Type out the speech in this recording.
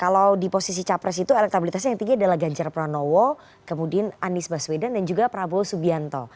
kalau di posisi capres itu elektabilitasnya yang tinggi adalah ganjar pranowo kemudian anies baswedan dan juga prabowo subianto